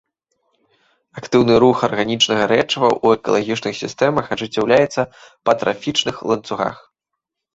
Актыўны рух арганічнага рэчыва ў экалагічных сістэмах ажыццяўляецца па трафічных ланцугах.